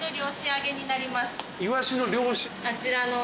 あちらの。